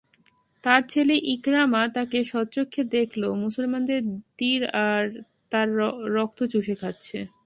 তার ছেলে ইকরামা তাকে স্বচক্ষে দেখল, মুসলমানদের তীর তার রক্ত চুষে খাচ্ছে।